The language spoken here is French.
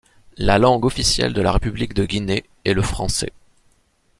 La langue officielle de la République de Guinée est le français.